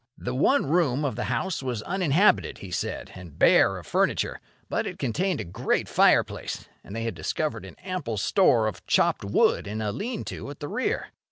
The one room of the house was uninhabited, he said, and bare of furniture; but it contained a great fireplace, and they had discovered an ample store of chopped wood in a lean to at the rear.